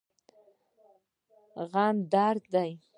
غم درد دی.